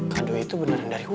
kado itu beneran dari hulu